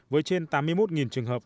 với trên tám mươi một trường hợp